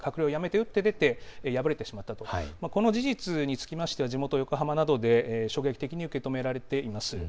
ここで菅政権で閣僚を務めていた小此木さんが閣僚をやめて打って出て敗れてしまったとこの事実につきましては地元横浜などで衝撃的に受け止められています。